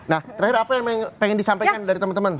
nah terakhir apa yang pengen disampaikan dari teman teman